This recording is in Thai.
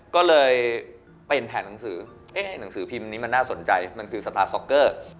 ก็เลยเปลี่ยนแผนหนังสือหนังสือภีมนี้มันน่าสนใจมันคือสตาร์ทซอกเกอร์